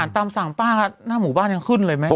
ตามสั่งป้าหน้าหมู่บ้านยังขึ้นเลยไหม